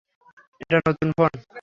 এটা নতুন ফোন।